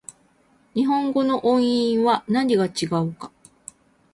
日本語の音韻は何が違うか